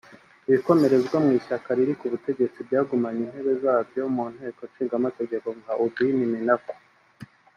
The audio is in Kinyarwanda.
Ibikomerezwa mu ishyaka riri ku butegetsi byagumanye intebe zabyo mu nteko nshingamateka nka Aubin Minaku